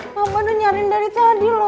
mama udah nyarin dari tadi loh